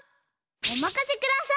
おまかせください！